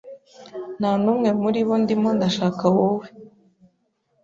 Ntanumwe muribo ndimo ndashaka wowe